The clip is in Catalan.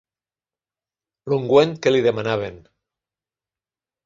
L'ungüent que li demanaven.